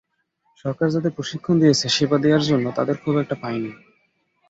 সরকার যাদের প্রশিক্ষণ দিয়েছে সেবা দেওয়ার জন্য তাদের খুব একটা পাইনি।